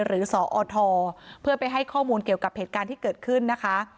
สอทเพื่อไปให้ข้อมูลเกี่ยวกับเหตุการณ์ที่เกิดขึ้นนะคะ